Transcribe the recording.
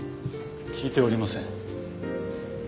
聞いておりません。